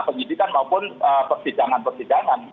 pengidikan maupun persidangan persidangan